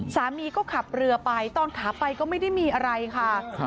สามีก็ขับเรือไปตอนขาไปก็ไม่ได้มีอะไรค่ะ